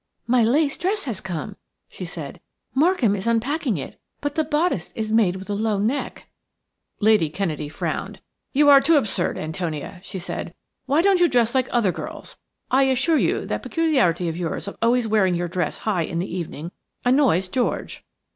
"My lace dress has come," she said. "Markham is unpacking it – but the bodice is made with a low neck." Lady Kennedy frowned. "You are too absurd, Antonia," she said. "Why won't you dress like other girls? I assure you that peculiarity of yours of always wearing your dress high in the evening annoys George."